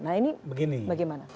nah ini bagaimana